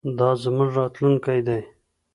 دا زموږ راتلونکی دی.